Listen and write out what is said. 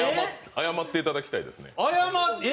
謝っていただきたいですね。